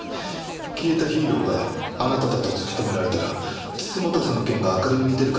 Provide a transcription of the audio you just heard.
消えたヒーローがあなただと突き止められたら美人局の件が明るみに出るかもしれない。